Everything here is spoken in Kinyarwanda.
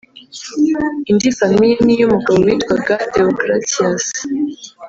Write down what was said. Indi famille ni iy’umugabo witwaga Déogratias